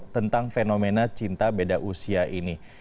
tentang fenomena cinta beda usia ini